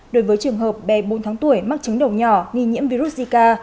đối với trường hợp bé bốn tháng tuổi mắc chứng đầu nhỏ nghi nhiễm virus zika